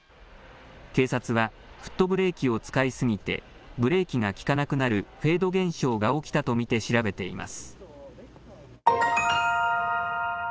警察は、フットブレーキを使い過ぎて、ブレーキが利かなくなるフェード現象が起きたとみて調べています。